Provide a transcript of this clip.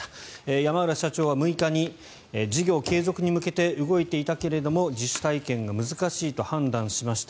山浦社長は６日に事業継続に向けて動いていたけれども、自主再建は難しいと判断しました。